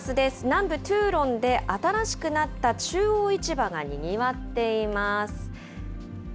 南部トゥーロンで新しくなった中央市場がにぎわっています。